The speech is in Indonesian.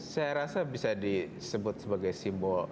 saya rasa bisa disebut sebagai simbol